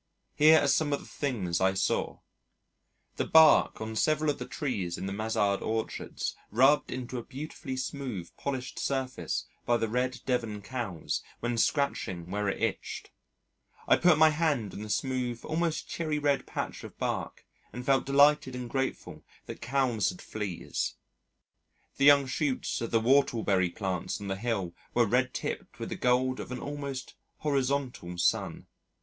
Here are some of the things I saw: the bark on several of the trees in the mazzard orchards rubbed into a beautifully smooth, polished surface by the Red Devon Cows when scratching where it itched; I put my hand on the smooth almost cherry red patch of bark and felt delighted and grateful that cows had fleas: the young shoots of the whortle berry plants on the hill were red tipped with the gold of an almost horizontal sun.